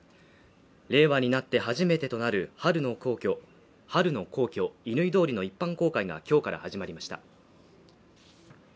令和になって初めてとなる春の皇居・乾通りの一般公開が今日から始まりました。